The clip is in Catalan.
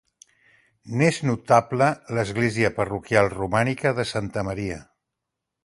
N'és notable l'església parroquial romànica de Santa Maria.